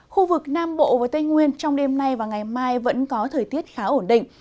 khu vực nam bộ và tây nguyên trong đêm nay và ngày mai vẫn có thời tiết khá ổn định